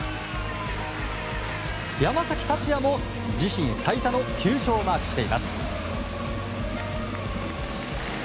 山崎福也も、自身最多の９勝をマークしています。